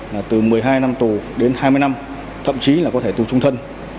là từ một mươi hai năm tù đến hai mươi năm thậm chí là có thể tù trung thân